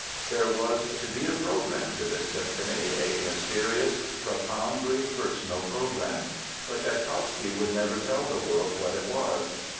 There was to be a program to this symphony, a mysterious, profoundly personal program. But Tschaikowsky would never tell the world what it was.